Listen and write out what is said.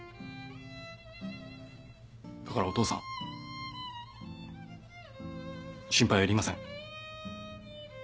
だからお父さん心配はいりません。